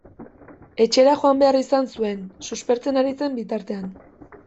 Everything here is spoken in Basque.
Etxera joan behar izan zuen, suspertzen ari zen bitartean.